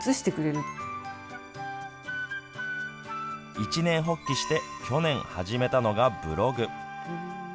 一念発起して去年を始めたのがブログ。